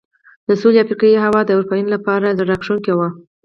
د سوېلي افریقا هوا د اروپایانو لپاره زړه راښکونکې وه.